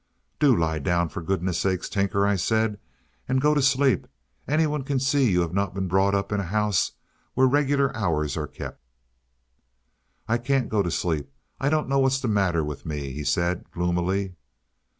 "Do lie down, for goodness' sake, Tinker," I said, "and go to sleep. Any one can see you have not been brought up in a house where regular hours are kept." "I can't go to sleep; I don't know what's the matter with me," he said gloomily.